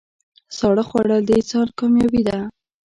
ساړه خوړل د انسان کامیابي ده.